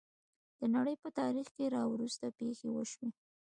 د نړۍ په تاریخ کې راوروسته پېښې وشوې.